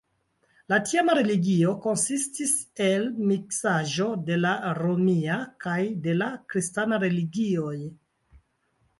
La tiama religio konsistis el miksaĵo de la romia kaj de la kristana religioj.